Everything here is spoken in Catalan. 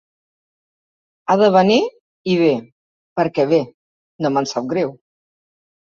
Ha de venir, i ve, perquè ve, no me'n sap greu